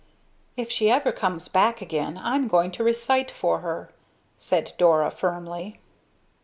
"If she ever comes back again, I'm going to recite for her," said, Dora, firmly.